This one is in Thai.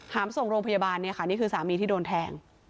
หามส่งโรงพยาบาลเนี่ยค่ะนี่คือสามีที่โดนแทง